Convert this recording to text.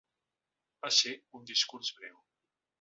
Va ser un discurs breu.